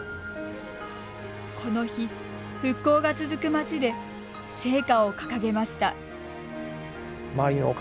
この日、復興が続く町で聖火を掲げました。